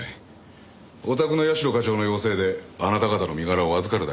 おたくの社課長の要請であなた方の身柄を預かるだけです。